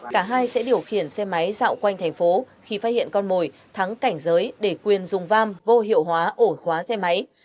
cả hai sẽ điều khiển xe máy dạo quanh thành phố khi phát hiện con mồi thắng cảnh giới để quyền dùng vam vô hiệu hóa ổ khóa xe máy